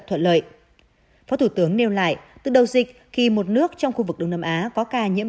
thuận lợi phó thủ tướng nêu lại từ đầu dịch khi một nước trong khu vực đông nam á có ca nhiễm